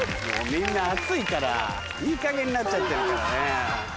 みんな暑いからいいかげんになっちゃってるからね。